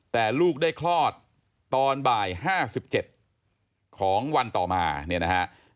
แต่ลูกได้คลอดตอนบ่าย๕๗ของวันต่อมาเนี่ยนะฮะ